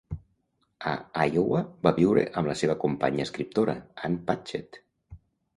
A Iowa va viure amb la seva companya escriptora, Ann Patchett.